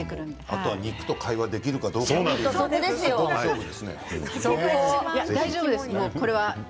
あとは肉と会話ができるかどうかですね。